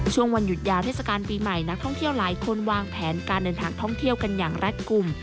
ช่วงวันหยุดยาวเทศกาลปีใหม่นักท่องเที่ยวหลายคนวางแผนการเดินทางท่องเที่ยวกันอย่างรัฐกลุ่ม